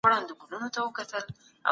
ایا مسلکي بڼوال خندان پسته اخلي؟